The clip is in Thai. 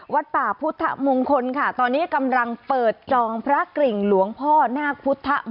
วัดป่าพุทธมงคลค่ะตอนนี้กำลังเปิดจองพระกริ่งหลวงพ่อนาคพุทธ